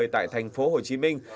tại thành phố hồ chí minh